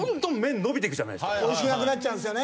おいしくなくなっちゃうんすよね。